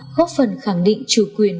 góp phần khẳng định chủ quyền